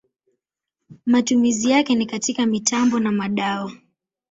Matumizi yake ni katika mitambo na madawa.